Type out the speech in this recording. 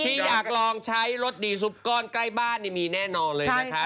ที่อยากลองใช้รสดีซุปก้อนใกล้บ้านนี่มีแน่นอนเลยนะคะ